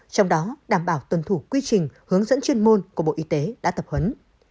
trong đó đảm bảo tuân thủ quy trình hướng dẫn chuyên môn của bộ y tế đã tập huấn